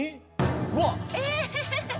うわっ！え！